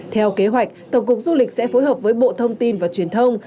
theo kế hoạch tổng cục du lịch sẽ phối hợp với bộ thông tin và truyền thông